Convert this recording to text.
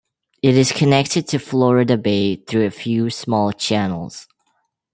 It is connected to Florida Bay through a few small channels.